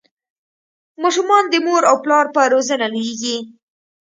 ماشومان د مور او پلار په روزنه لویږي.